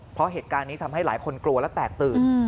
เพราะเหตุการณ์นี้ทำให้หลายคนกลัวและแตกตื่น